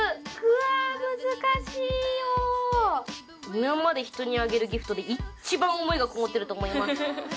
今まで人にあげるギフトで一番思いがこもってると思います。